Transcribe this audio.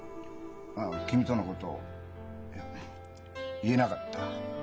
ああ君とのことを言えなかった。